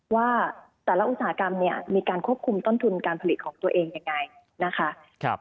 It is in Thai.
ว่าแต่ละอุตสาหกรรมเนี่ยมีการควบคุมต้นทุนการผลิตของตัวเองยังไงนะคะ